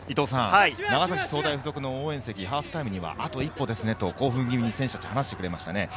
長崎総大附属の応援席、ハーフタイムにはあと一歩ですねと、興奮気味に話していました。